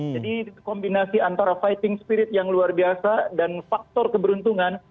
jadi kombinasi antara fighting spirit yang luar biasa dan faktor keberuntungan